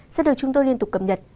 sẽ được chúng tôi liên tục cập nhật